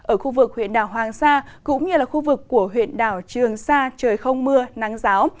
ở khu vực huyện đảo hoàng sa cũng như là khu vực của huyện đảo trường sa trời không mưa nắng giáo